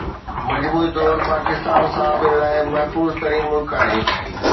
مجموعي طور پاڪستان صحافين لاءِ محفوظ ترين ملڪ آهي